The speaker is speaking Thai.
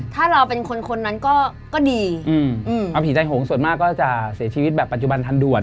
ถ้าเราเป็นคนคนนั้นก็ดีอืมเอาผีใจหงส่วนมากก็จะเสียชีวิตแบบปัจจุบันทันด่วน